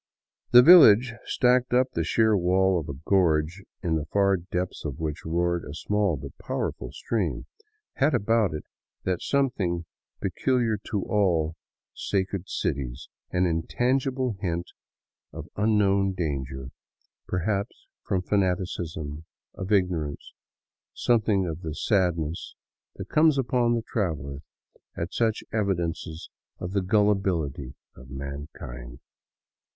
The village, stacked up the sheer wall of a gorge in the far depths of which roared a small but powerful stream, had about it that some thing peculiar to all " sacred " cities, — an intangible hint of unknown danger, perhaps from fanaticism, of ignorance, something of the sad ness that comes upon the traveler at such evidences of the gullibility of 117 VAGABONDING DOWN THE ANDES mankind.